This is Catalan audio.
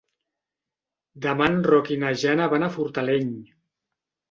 Demà en Roc i na Jana van a Fortaleny.